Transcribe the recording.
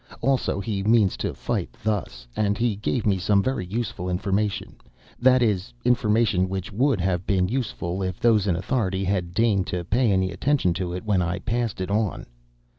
Also he means to fight thus,' and he gave me some very useful information, that is, information which would have been useful if those in authority had deigned to pay any attention to it when I passed it on.